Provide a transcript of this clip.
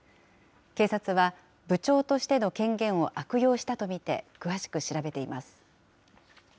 警察は部長としての権限を悪用したと見て、詳しく調べています。